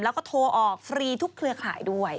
แล้วก็โทรออกฟรีทุกเครือข่ายด้วย